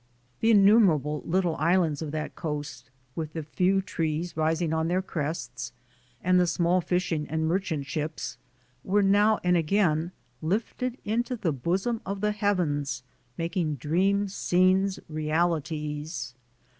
The innumerable little islands of that coast, with the few trees rising on their crests, and the small fishing and merchant 56 THE SOUL OF AN IMMIGRANT ships were now and again lifted into the bosom of the heavens, making dream scenes realities.